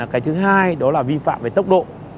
cái thứ hai đó là vi phạm về tốc độ